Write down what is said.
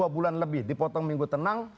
dua bulan lebih dipotong minggu tenang